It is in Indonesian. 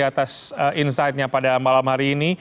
atas insight nya pada malam hari ini